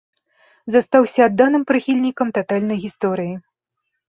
Застаўся адданым прыхільнікам татальнай гісторыі.